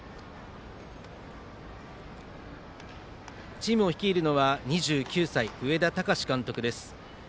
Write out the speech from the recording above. チームを率いるのは２９歳、上田崇監督です。